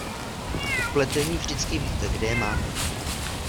U pletení vždycky víte, kde je máte.